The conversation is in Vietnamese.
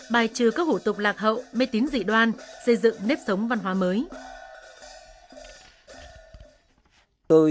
bài trừ các hủ tục lạc hậu mê tín dị đoan xây dựng nếp sống văn hóa mới